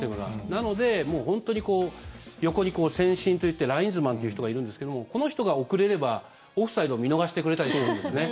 なので本当に、横に線審といってラインズマンという人がいるんですけどもこの人が遅れれば、オフサイドを見逃してくれたりするんですね。